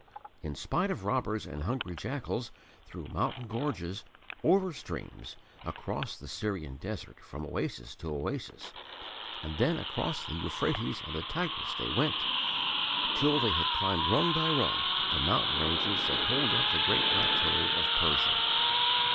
In spite of robbers and hungry jackals, through mountain gorges, over streams, across the Syrian desert from oasis to oasis, and then across the Euphrates and the Tigris they went, till they had climbed rung by rung the mountain ranges that hold up the great plateau of Persia.